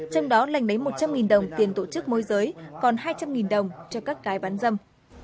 trong đó lành lấy một trăm linh đồng tiền tổ chức môi giới còn hai trăm linh đồng cho các cái bán dâm